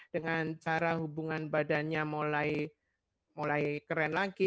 dengan cara hubungan badannya mulai keren lagi